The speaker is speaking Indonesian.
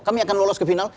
kami akan lolos ke final